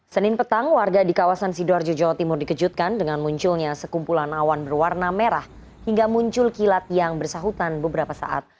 senin petang warga di kawasan sidoarjo jawa timur dikejutkan dengan munculnya sekumpulan awan berwarna merah hingga muncul kilat yang bersahutan beberapa saat